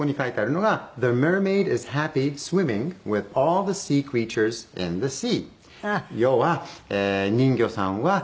要は「人魚さんはね